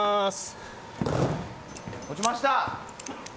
落ちました。